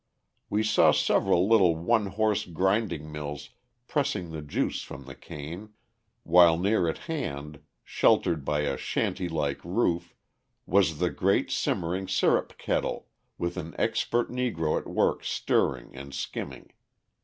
We saw several little one horse grinding mills pressing the juice from the cane, while near at hand, sheltered by a shanty like roof, was the great simmering syrup kettle, with an expert Negro at work stirring and skimming.